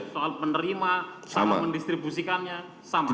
soal penerima sama mendistribusikannya sama